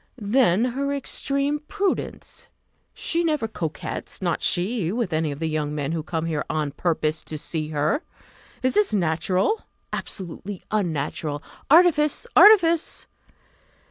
Then her extreme prudence! She never coquets, not she, with any of the young men who come here on purpose to see her. Is this natural? Absolutely unnatural artifice! artifice!